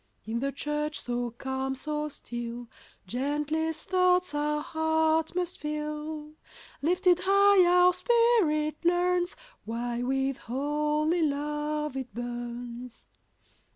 In the church so calm, so still, Gentlest thoughts our heart must fill. Lifted high, our spirit learns Why with holy love it burns. Chorus.